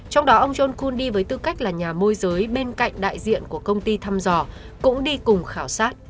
trong đó ông john kuhn đi với tư cách là nhà môi giới bên cạnh đại diện của công ty thăm dò